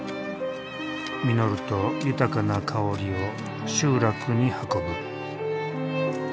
実ると豊かな香りを集落に運ぶ。